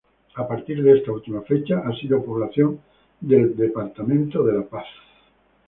A partir de esta última fecha ha sido población del Departamento de La Paz.